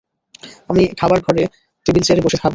আমি খাবার ঘরে টেবিল-চেয়ারে বসে খাব।